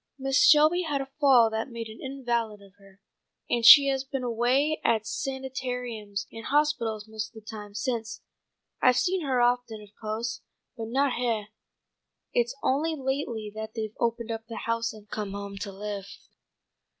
"Mrs. Shelby had a fall that made an invalid of her, and she has been away at sanitariums and hospitals most of the time since. I've seen her often, of co'se, but not heah. It's only lately that they've opened up the house and come home to live."